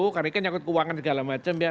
karena ini kan nyakut keuangan segala macam ya